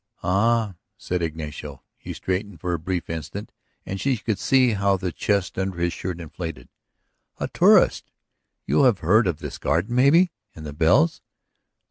"Ah," said Ignacio. He straightened for a brief instant and she could see how the chest under his shirt inflated. "A tourist. You have heard of this garden, maybe? And the bells?